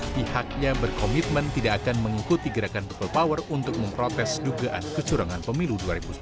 pihaknya berkomitmen tidak akan mengikuti gerakan people power untuk memprotes dugaan kecurangan pemilu dua ribu sembilan belas